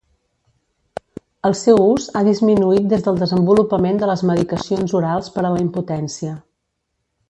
El seu ús ha disminuït des del desenvolupament de les medicacions orals per a la impotència.